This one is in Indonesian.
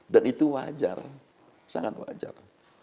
dan itu wajar sangat wajar